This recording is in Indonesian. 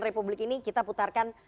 republik ini kita putarkan